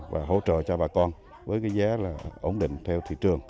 và hỗ trợ cho bà con với giá ổn định theo thị trường